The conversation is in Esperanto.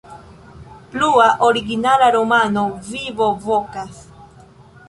Plua originala romano: "Vivo Vokas".